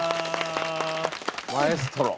マエストロ！